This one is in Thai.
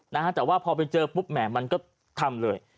นะฮะแต่ว่าพอไปเจอปุ๊บแหมมันก็ทำเลย